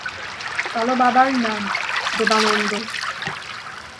চলো বাবার নাম, দেবানন্দ।